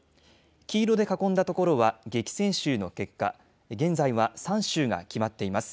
黄色で囲んだ所は激戦州の結果、現在は３州が決まっています。